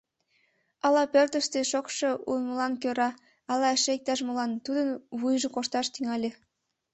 Ала пӧртыштӧ шокшо улмылан кӧра, ала эше иктаж-молан тудын вуйжо коршташ тӱҥале.